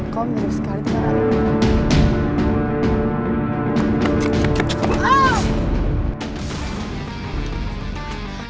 kau mirip sekali dengan aku